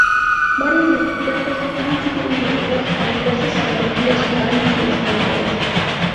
Varios de sus cuentos han sido incluidos en diversas antologías cubanas y extranjeras.